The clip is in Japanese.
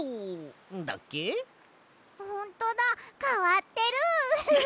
ほんとだかわってる。